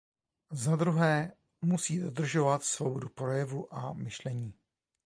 Za druhé, musí dodržovat svobodu projevu a myšlení.